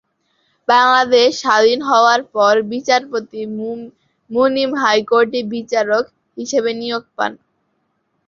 বাংলাদেশ স্বাধীন হওয়ার পর বিচারপতি মুনিম হাইকোর্টে বিচারক হিসাবে নিয়োগ পান।